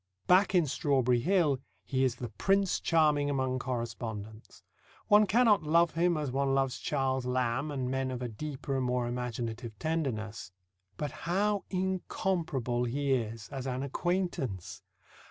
Back in Strawberry Hill, he is the Prince Charming among correspondents. One cannot love him as one loves Charles Lamb and men of a deeper and more imaginative tenderness. But how incomparable he is as an acquaintance!